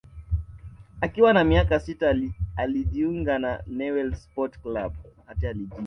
Akiwa na miaka sita alijinga na Newells sport club